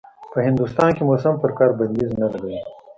په هندوستان کې موسم پر کار بنديز نه لګوي.